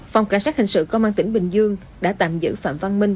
phòng cảnh sát hình sự công an tỉnh bình dương đã tạm giữ phạm văn minh